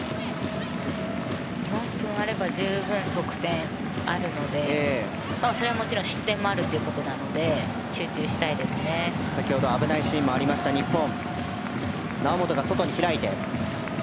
４分あれば十分得点もあるのでそれはもちろん失点もあるということなので先ほど危ないシーンもあった日本。